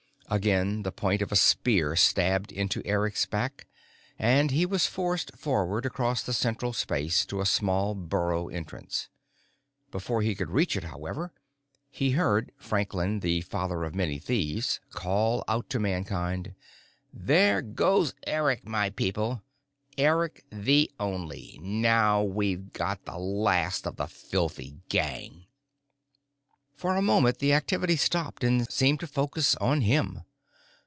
Again the point of a spear stabbed into Eric's back, and he was forced forward across the central space to a small burrow entrance. Before he could reach it, however, he heard Franklin the Father of Many Thieves call out to Mankind: "There goes Eric, my people. Eric the Only. Now we've got the last of the filthy gang!" For a moment, the activity stopped and seemed to focus on him.